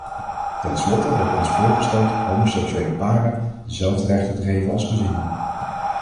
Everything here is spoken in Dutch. Tenslotte wordt ons voorgesteld homoseksuele paren dezelfde rechten te geven als gezinnen.